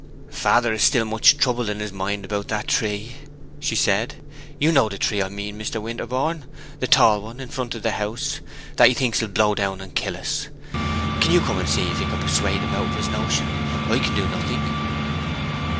"Father is still so much troubled in his mind about that tree," she said. "You know the tree I mean, Mr. Winterborne? the tall one in front of the house, that he thinks will blow down and kill us. Can you come and see if you can persuade him out of his notion? I can do nothing."